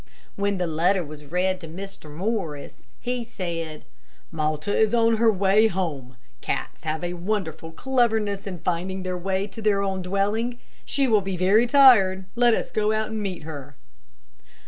When the letter was read to Mr. Morris, he said, "Malta is on her way home. Cats have a wonderful cleverness in finding their way to their own dwelling. She will be very tired. Let us go out and meet her."